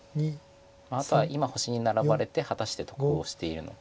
あとは今星にナラばれて果たして得をしているのか。